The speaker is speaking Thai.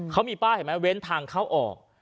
เขามีป้ายเห็นไหมเว้นทางเข้าออก